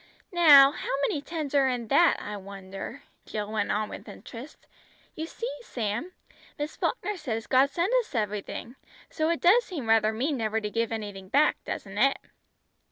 "Now, how many tens are in that, I wonder," Jill went on with interest; "you see, Sam, Miss Falkner says God sends us everything, so it does seem rather mean never to give anything back, doesn't it?"